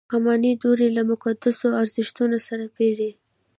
اماني دورې له مقدسو ارزښتونو سره بېړه.